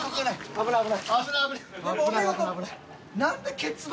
危ない危ない。